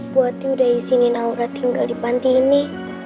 buati udah isinin aura tinggal di panti ini